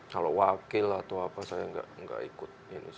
kalau wakil atau apa saya nggak ikut